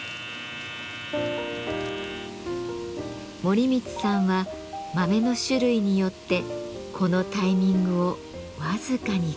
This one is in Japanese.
森光さんは豆の種類によってこのタイミングを僅かに変えています。